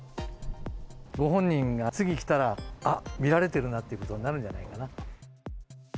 ご本人が次来たら、あっ、見られてるなってことになるんじゃないかな。